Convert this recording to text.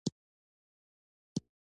نمک د افغانستان د سیلګرۍ برخه ده.